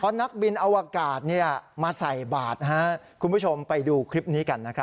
เพราะนักบินอวกาศเนี่ยมาใส่บาทนะคะคุณผู้ชมไปดูคลิปนี้กันนะครับ